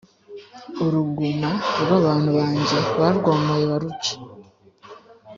uruguma rw abantu banjye barwomoye baruca